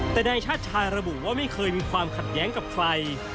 แต่นายชาติชายระบุว่าไม่เคยมีความขัดแย้งกับใคร